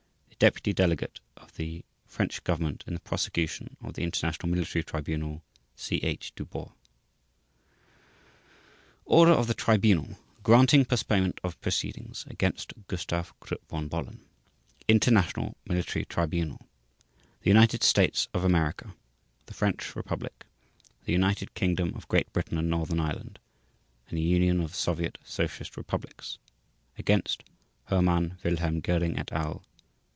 The Deputy Delegate of The French Government in the Prosecution of The International Military Tribunal /s/ CH. DUBOST ORDER OF THE TRIBUNAL GRANTING POSTPONEMENT OF PROCEEDINGS AGAINST GUSTAV KRUPP VON BOHLEN INTERNATIONAL MILITARY TRIBUNAL THE UNITED STATES OF AMERICA, THE FRENCH REPUBLIC, THE UNITED KINGDOM OF GREAT BRITAIN AND NORTHERN IRELAND, and THE UNION OF SOVIET SOCIALIST REPUBLICS — against — HERMANN WILHELM GÖRING, et al.